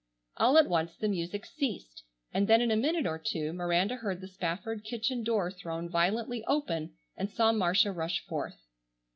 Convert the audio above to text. All at once the music ceased, and then in a minute or two Miranda heard the Spafford kitchen door thrown violently open and saw Marcia rush forth.